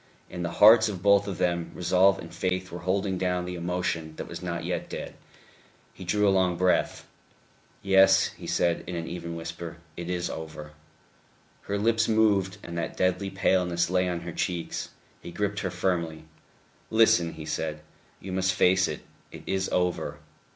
In the hearts of both of them resolve and faith were holding down the emotion that was not yet dead. He drew a long breath. "Yes," he said in an even voice, "it is over." Her lips moved; and that deadly paleness lay on her cheeks. He gripped her firmly. "Listen," he said. "You must face it. It is over.